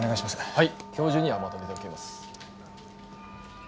はい今日中にはまとめておきます。